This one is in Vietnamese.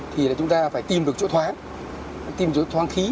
thì chúng ta phải tìm được chỗ thoáng tìm được chỗ thoáng khí